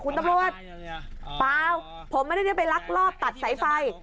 คุณตำรวจเปล่าผมไม่ได้ไปลักลอบตัดสายไฟ